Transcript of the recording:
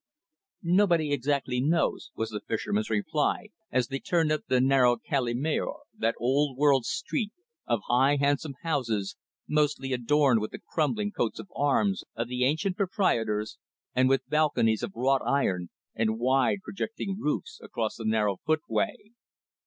"Nobody exactly knows," was the fisherman's reply, as they turned up the narrow Calle Mayor, that old world street of high, handsome houses, mostly adorned with the crumbling coats of arms of the ancient proprietors, and with balconies of wrought iron, and wide, projecting roofs across the narrow footway.